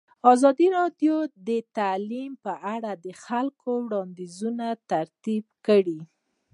ازادي راډیو د تعلیم په اړه د خلکو وړاندیزونه ترتیب کړي.